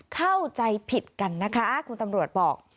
เข้าใจผิดกันนะคะคุณตำรวจบอก